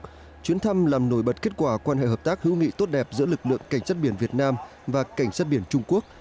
trong đó chuyến thăm làm nổi bật kết quả quan hệ hợp tác hữu nghị tốt đẹp giữa lực lượng cảnh sát biển việt nam và cảnh sát biển trung quốc